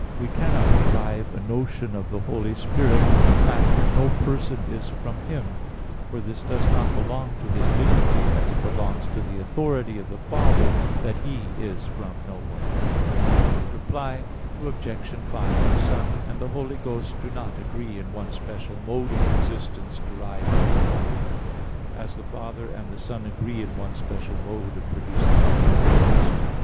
19, A. 3), we cannot derive a notion of the Holy Spirit from the fact that no person is from Him. For this does not belong to His dignity, as it belongs to the authority of the Father that He is from no one. Reply Obj. 5: The Son and the Holy Ghost do not agree in one special mode of existence derived from the Father; as the Father and the Son agree in one special mode of producing the Holy Ghost.